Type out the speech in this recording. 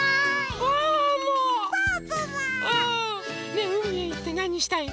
ねえうみへいってなにしたい？